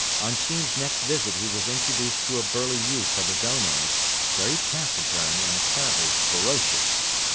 On Sheen's next visit he was introduced to a burly youth of his own age, very taciturn, and apparently ferocious.